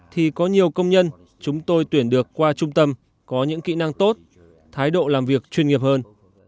thì có nhiều công nhân chúng tôi tuyển được qua trung tâm có những kỹ năng tốt thái độ làm việc chuyên nghiệp hơn